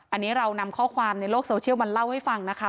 อันนี้เรานำข้อความในโลกโซเชียลมาเล่าให้ฟังนะคะ